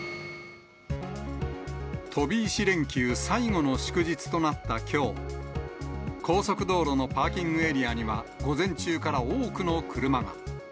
飛び石連休最後の祝日となったきょう、高速道路のパーキングエリアには、午前中から多くの車が。